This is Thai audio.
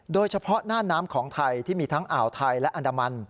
หน้าน้ำของไทยที่มีทั้งอ่าวไทยและอันดามัน